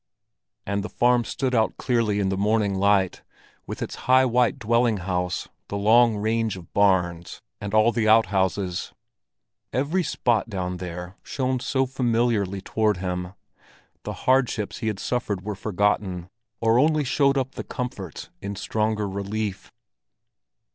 And the farm stood out clearly in the morning light, with its high white dwelling house, the long range of barns, and all the out houses. Every spot down there shone so familiarly toward him; the hardships he had suffered were forgotten, or only showed up the comforts in stronger relief.